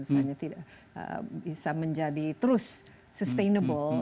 misalnya tidak bisa menjadi terus sustainable